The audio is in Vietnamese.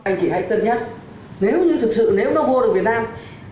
anh chị hãy cân nhắc nếu như thực sự nếu nó mua được việt nam